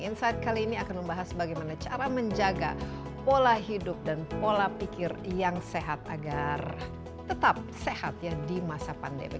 insight kali ini akan membahas bagaimana cara menjaga pola hidup dan pola pikir yang sehat agar tetap sehat ya di masa pandemi